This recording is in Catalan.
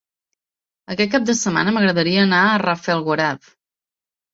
Aquest cap de setmana m'agradaria anar a Rafelguaraf.